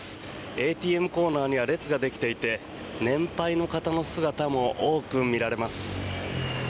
ＡＴＭコーナーには列ができていて年配の方の姿も多く見られます。